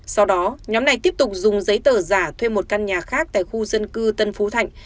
sau đó nhóm này tiếp tục dùng giấy tờ giả thuê một căn nhà khác tại khu dân cư tân phú thạnh